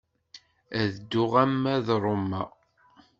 Ad dduɣ arma d Roma.